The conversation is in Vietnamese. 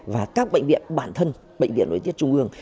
và các bệnh viện bản thân bệnh viện nội tiết trung ương